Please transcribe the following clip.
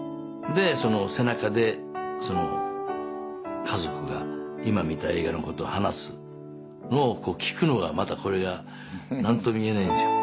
でその背中でその家族が今見た映画のことを話すのを聞くのがまたこれが何とも言えないんですよ。